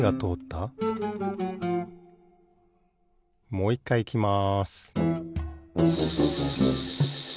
もういっかいいきます